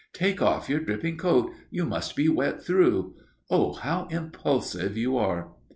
"Take off your dripping coat. You must be wet through. Oh, how impulsive you are!"